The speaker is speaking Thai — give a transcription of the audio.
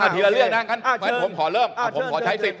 ทีละเรื่องนั่งกัน